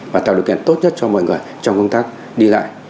và tạo được kẻ tốt nhất cho mọi người trong công tác đi lại